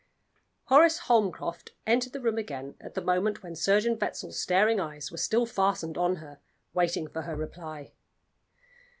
Horace Holmcroft entered the room again at the moment when Surgeon Wetzel's staring eyes were still fastened on her, waiting for her reply.